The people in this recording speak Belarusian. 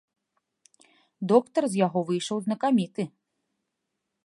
Доктар з яго выйшаў знакаміты.